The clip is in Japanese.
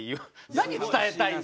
何伝えたいんだ？